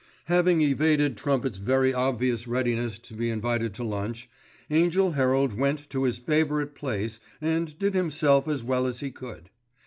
Having evaded Trumpet's very obvious readiness to be invited to lunch, Angell Herald went to his favourite place and did himself as well as he could.